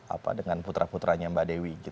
apa dengan putra putranya mbak dewi